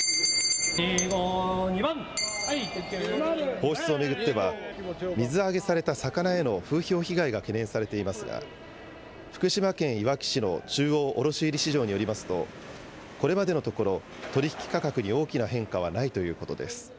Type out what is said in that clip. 放出を巡っては、水揚げされた魚への風評被害が懸念されていますが、福島県いわき市の中央卸売市場によりますと、これまでのところ、取り引き価格に大きな変化はないということです。